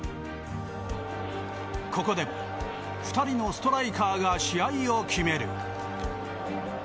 ここでも２人のストライカーが試合を決める。